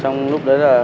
trong lúc đấy là